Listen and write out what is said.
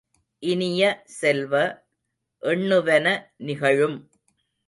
இனிய செல்வ, எண்ணுவன நிகழும்!